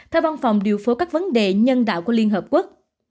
theo văn phòng điều phối các vấn đề nhân đạo của liên hợp quốc